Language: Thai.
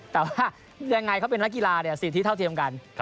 แต่ว่ายังไงเขาเป็นนักกีฬาสิทธิเท่าเทียมกัน